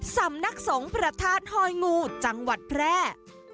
สำนักสงฆ์พระธาตุหอยงูจังหวัดแพร่